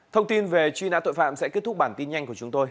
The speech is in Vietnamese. thông tin về truy nã tội phạm sẽ kết thúc bản tin nhanh của chúng tôi